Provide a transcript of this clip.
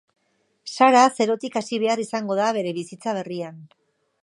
Sara zerotik hasi behar izango da bere bizitza berrian.